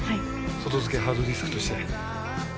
外付けハードディスクとして。